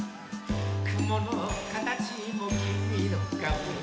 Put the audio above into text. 「くものかたちもきみのかお」